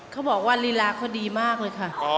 เขาบอกว่าลีลาเขาดีมากเลยค่ะ